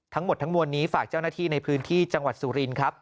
ทั้งหมดทั้งมวลนี้ฝากเจ้าหน้าที่ในพื้นที่จังหวัดสุรินครับ